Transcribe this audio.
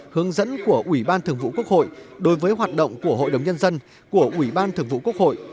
hướng dẫn của ủy ban thường vụ quốc hội đối với hoạt động của hội đồng nhân dân của ủy ban thường vụ quốc hội